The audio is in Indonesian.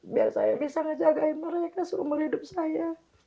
biar saya bisa ngejagai mereka seumur hidup saya